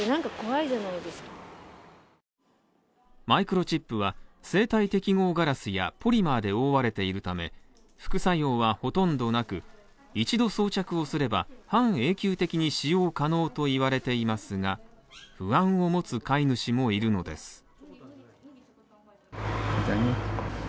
マイクロチップは、生体適合ガラスやポリマーで覆われているため、副作用はほとんどなく、一度装着をすれば半永久的に使用可能と言われていますが不安を持つ飼い主もいるのです。